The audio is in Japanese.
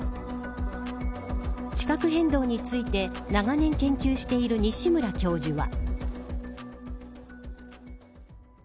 地殻変動について長年研究している西村教授は。